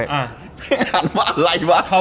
แม่งหาสละมาไม่เดิน